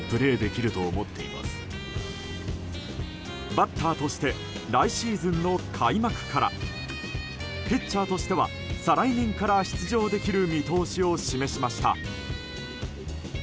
バッターとして来シーズンの開幕からピッチャーとしては再来年から出場できる見通しを示しました。